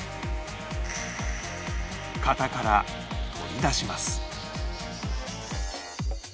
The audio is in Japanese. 型から取り出します